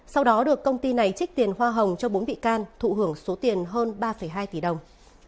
sau đó được công ty này trích tiền hoa hồng cho bốn bị can thụ hưởng số tiền hơn ba hai tỷ đồng